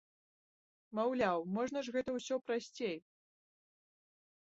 Маўляў, можна ж гэта ўсё прасцей!